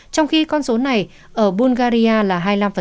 trong khi con số này ở bungarya là hai mươi năm